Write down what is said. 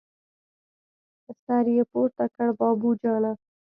سر يې پورته کړ: بابو جانه!